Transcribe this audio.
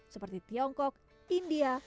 seperti tiongkok india